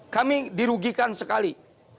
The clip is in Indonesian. kami dirugikan sekali